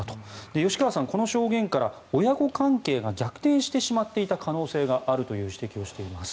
吉川さんはこの証言から親子関係が逆転してしまっていた可能性があるという指摘をしています。